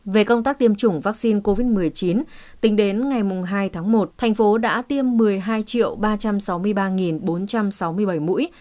về công tác tiêm chủng vaccine covid một mươi chín tính đến ngày hai tháng một thành phố đã tiêm một mươi hai ba trăm sáu mươi ba bốn trăm sáu mươi bảy mũi